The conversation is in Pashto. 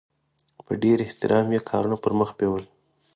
په ډېر احترام یې کارونه پرمخ بیول.